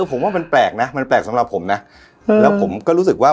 ผมว่ามันแปลกนะมันแปลกสำหรับผมนะแล้วผมก็รู้สึกว่า